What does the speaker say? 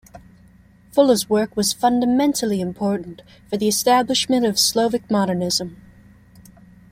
Fulla's work was fundamentally important for the establishment of Slovak modernism.